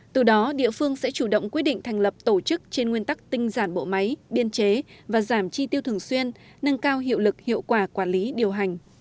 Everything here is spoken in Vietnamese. từ đó địa phương sẽ chủ động quyết định thành lập tổ chức trên nguyên tắc tinh giản bộ máy biên chế và giảm chi tiêu thường xuyên nâng cao hiệu lực hiệu quả quản lý điều hành